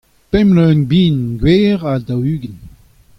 pemp loen bihan gwer ha daou-ugent.